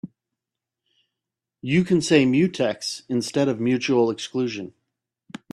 You can say mutex instead of mutual exclusion.